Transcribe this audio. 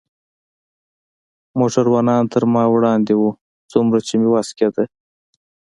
موټروانان تر ما وړاندې و، څومره چې مې وس کېده.